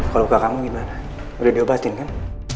kalau ke kamu gimana udah diobatin kan